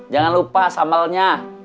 jangan lupa sambalnya